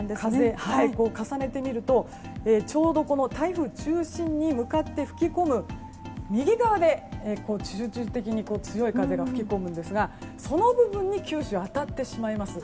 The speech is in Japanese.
重ねてみるとちょうど台風の中心に向かって右側で集中的に強い風が吹き込むんですがその部分に九州は当たってしまいます。